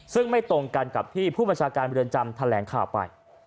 ซึ่งไม่ตรงกันกับที่ผู้บัญชาการเรือนจำแถลงข่าวไป